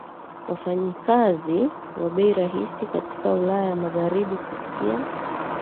wafanyikazi wa bei rahisi katika Ulaya Magharibi Kusikia